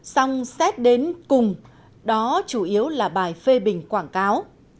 xong xét đến cùng đó chủ yếu là bài phê bình quảng cáo